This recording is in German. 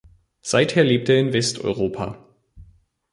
Seither lebt er in Westeuropa.